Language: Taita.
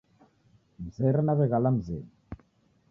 Mzere naw'eghala mzedu.